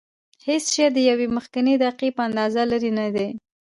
هېڅ شی د یوې مخکنۍ دقیقې په اندازه لرې نه دی.